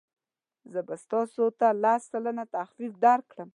زه به تاسو ته لس سلنه تخفیف درکړم.